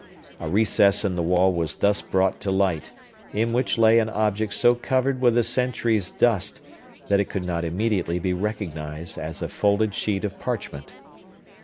A recess in the wall was thus brought to light, in which lay an object so covered with a century's dust that it could not immediately be recognized as a folded sheet of parchment.